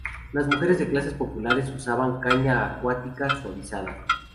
Las mujeres de clases populares usaban caña acuática suavizada.